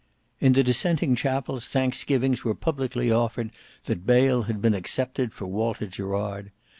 In the dissenting chapels thanksgivings were publicly offered that bail had been accepted for Walter Gerard.